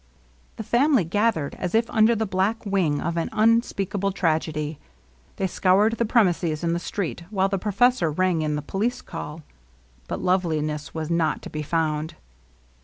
The family gathered as if under the black wing of an unspeakable tragedy. They scoured the pre mises and the street, while the professor rang in the police call. But Loveliness was not to be found.